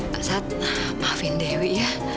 pak sat maafin dewi ya